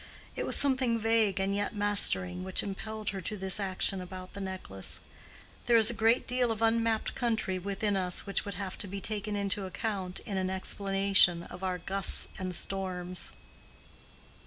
It was something vague and yet mastering, which impelled her to this action about the necklace. There is a great deal of unmapped country within us which would have to be taken into account in an explanation of our gusts and storms.